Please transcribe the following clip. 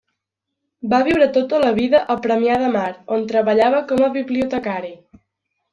Va viure tota la vida a Premià de Mar, on treballava com a bibliotecari.